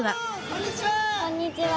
こんにちは。